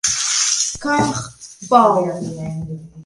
Kung Pow!